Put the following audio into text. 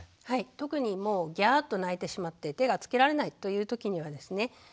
はい特にもうギャーッと泣いてしまって手がつけられないという時にはですね